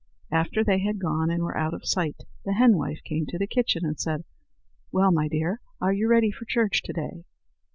After they had gone and were out of sight, the henwife came to the kitchen and said: "Well, my dear, are you for church to day?"